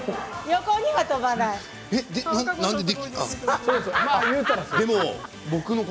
横には飛ばないの。